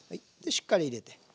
しっかり入れて。